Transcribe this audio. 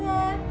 kamu tak kece